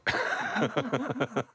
ハハハハ。